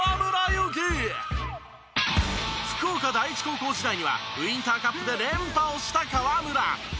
福岡第一高校時代にはウインターカップで連覇をした河村。